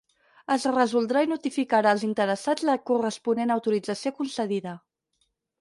Es resoldrà i notificarà als interessats la corresponent autorització concedida.